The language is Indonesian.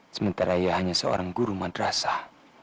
sementara ia hanya seorang guru madrasah